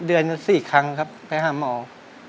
เดือนแล้ว๔ครั้งครับไปห้ามออก